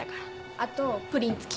あとプリン付き。